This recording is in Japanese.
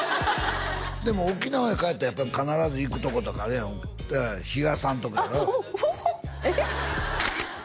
でも沖縄へ帰ったらやっぱり必ず行くとことかあるやん比嘉さんとこやろおっおえっ？